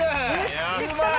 うまい！